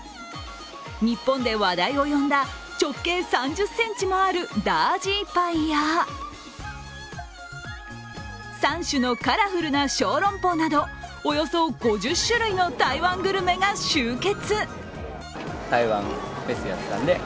日本で話題を呼んだ直径３０ｃｍもあるダージーパイや３種のカラフルな小龍包など、およそ５０種類の台湾グルメが集結。